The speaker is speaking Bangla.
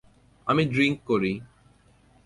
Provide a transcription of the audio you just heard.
আমি ড্রিংক করি।